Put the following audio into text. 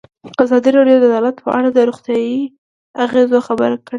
ازادي راډیو د عدالت په اړه د روغتیایي اغېزو خبره کړې.